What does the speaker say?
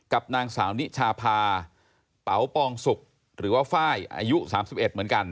กับนางสาวนิชาพาเป๋าปองสุกหรือว่าไฟล์อายุ๓๑เหมือนกัน